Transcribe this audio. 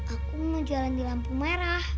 aku mau jalan di lampu merah